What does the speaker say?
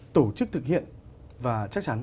tổ chức thực hiện và chắc chắn